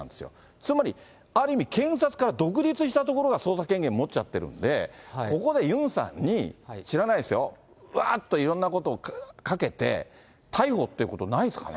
つまりある意味検察から独立した所が捜査権限持っちゃってるんで、ここでユンさんに、知らないですよ、わーっといろんなことをかけて、逮捕っていうことないですかね？